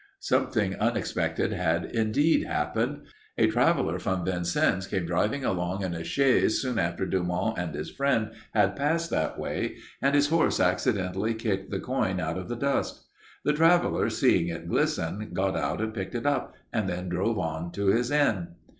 "Something unexpected had indeed happened. A traveler from Vincennes came driving along in a chaise soon after Dumont and his friend had passed that way, and his horse accidentally kicked the coin out of the dust. The traveler, seeing it glisten, got out and picked it up, and then drove on to his inn.